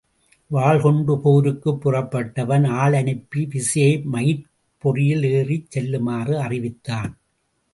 வாள் கொண்டு போருக்குப் புறப்பட்டவன் ஆள் அனுப்பி விசயையை மயிற் பொறியில் ஏறிச் செல்லுமாறு அறிவித்தான்.